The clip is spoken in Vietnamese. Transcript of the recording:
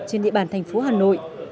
trên địa bàn thành phố hà nội